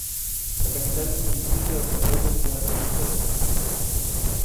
La capital del municipio es la propia ciudad de Shkodër.